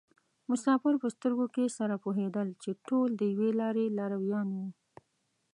مسافر په سترګو کې سره پوهېدل چې ټول د یوې لارې لارویان وو.